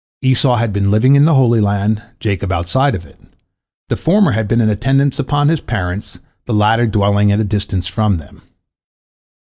Esau had been living in the Holy Land, Jacob outside of it; the former had been in attendance upon his parents, the latter dwelling at a distance from them.